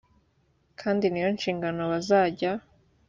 kandi ni yo nshingano bazajya